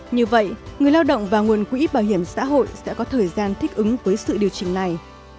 như vậy người lao động và nguồn quỹ bảo hiểm xã hội sẽ có thời gian thích ứng với sự điều chỉnh này